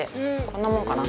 こんなもんかな？